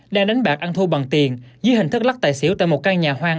đang đánh bạc ăn thu bằng tiền dưới hình thức lắc tài xỉu tại một căn nhà hoang